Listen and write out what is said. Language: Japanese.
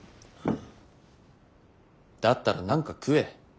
だったら何か食え。